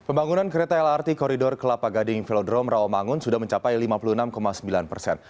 pembangunan kereta lrt koridor kelapa gading velodrome rawamangun sudah mencapai lima puluh enam sembilan persen